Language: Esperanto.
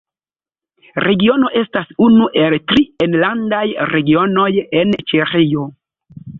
Regiono estas unu el tri enlandaj Regionoj en Ĉeĥio.